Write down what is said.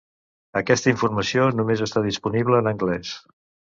Aquesta informació només està disponible en anglès.